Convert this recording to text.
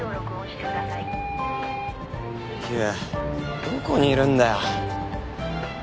優どこにいるんだよ？